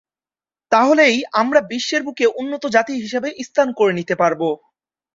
তাহলেই আমরা বিশ্বের বুকে উন্নত জাতি হিসেবে স্থান করে নিতে পারব।